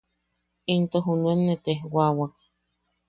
Into junuen nee tejwawak.